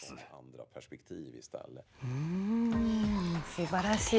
すばらしい。